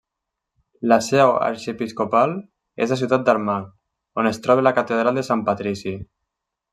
La seu arxiepiscopal és la ciutat d'Armagh, on es troba la catedral de Sant Patrici.